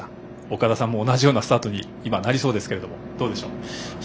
岡田さんも同じようなスタートに今なりそうですが、どうでしょう。